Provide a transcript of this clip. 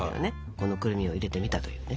このくるみを入れてみたというね。